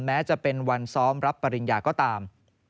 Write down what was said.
แม้จะเป็นวันซ้อมรับปริญญาก็ตาม